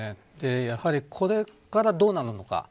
やはり、これからどうなるのか。